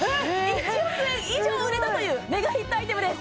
１億円以上売れたというメガヒットアイテムです